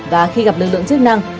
và khi gặp lực lượng chức năng